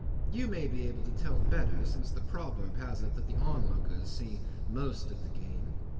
You may be able to tell better, since the proverb has it that the onlookers see most of the game.